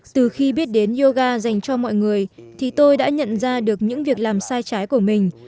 từ khi biết đến yoga dành cho mọi người thì tôi đã nhận ra được những việc làm sai trái của mình